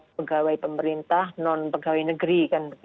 pegawai pemerintah non pegawai negeri